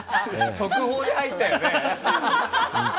速報で入ったよね。